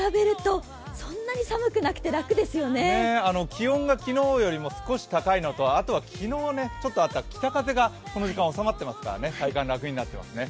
気温が昨日よりも少し高いのとあとは昨日、ちょっとあった北風がこの時間、収まっていますから体感、楽になっていますね。